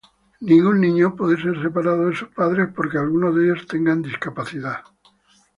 Ningún niño puede ser separado de sus padres porque alguno de ellos tenga discapacidad.